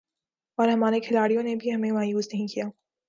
اور ہمارے کھلاڑیوں نے بھی ہمیں مایوس نہیں کیا